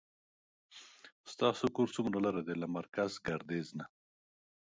ستاسو کور څومره لری ده له مرکز ګردیز نه